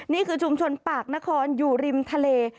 นี่คือชุมชนปากนครอยู่ริมทะเล